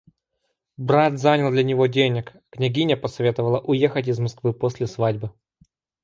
Брат занял для него денег, княгиня посоветовала уехать из Москвы после свадьбы.